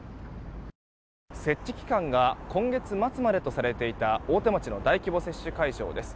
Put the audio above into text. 設置期間が今月末までとされていた大手町の大規模接種会場です。